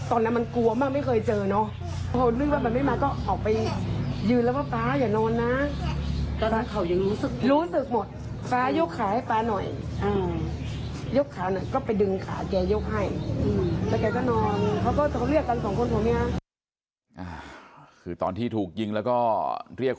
จังหวะนั้นได้ยินเสียงปืนรัวขึ้นหลายนัดเลย